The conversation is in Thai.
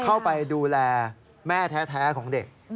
เข้าไปดูแลแม่แท้ของเด็ก